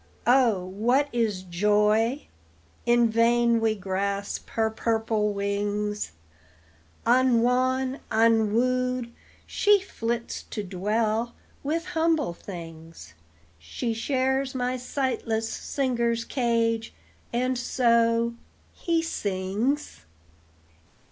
O, what is joy? In vain we grasp Her purple wings; Unwon, unwooed, she flits to dwell With humble things; She shares my sightless singer's cage, And so he sings.